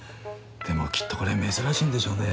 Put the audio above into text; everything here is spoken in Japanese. でもきっとこれ珍しいんでしょうね。